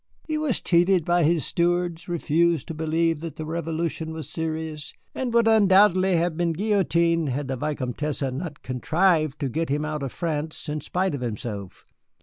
He was cheated by his stewards, refused to believe that the Revolution was serious, and would undoubtedly have been guillotined had the Vicomtesse not contrived to get him out of France in spite of himself.